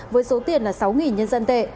với số tiền là sáu nhân dân tệ